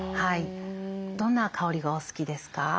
どんな香りがお好きですか？